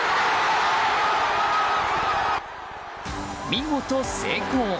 見事、成功！